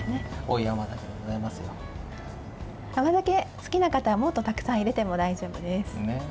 好きな方はもっとたくさん入れても大丈夫です。